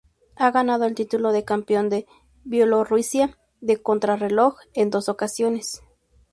Ha gando el título de Campeón de Bielorrusia de contrarreloj en dos ocasiones.